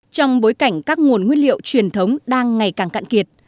trong bối cảnh các nguồn nguyên liệu truyền thống đang ngày càng cạn kiệt